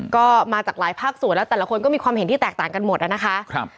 ก็มาจากหลายภาคส่วนแล้วแต่ละคนก็มีความเห็นที่แตกต่างกันหมดนะคะ